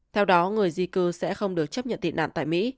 theo đó người di cư sẽ không được chấp nhận tị nạn tại mỹ